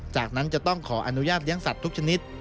จากนั้นจะต้องขออนุญาตเลี้ยงสัตว์ทุกชนิด